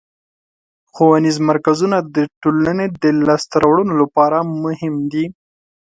ښوونیز مرکزونه د ټولنې د لاسته راوړنو لپاره مهم دي.